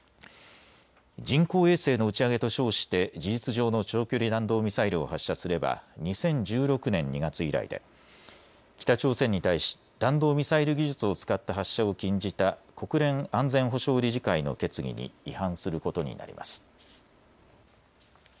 人工衛星の打ち上げと称して事実上の長距離弾道ミサイルを発射すれば２０１６年２月以来で北朝鮮に対し弾道ミサイル技術を使った発射を禁じた国連安全保障理事会の決議に違反することになります。